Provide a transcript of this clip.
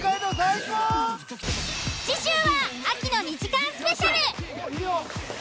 次週は秋の２時間スペシャル。